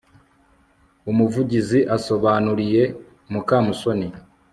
umuvugizi asobanuriye mukamusoni